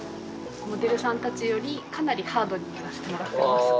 モデルさんたちよりかなりハードにやらせてもらってます。